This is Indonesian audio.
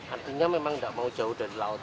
artinya memang tidak mau jauh dari laut